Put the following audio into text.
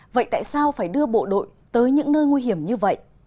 vậy tại sao phải đưa bộ đội tới những nơi nguy hiểm như vậy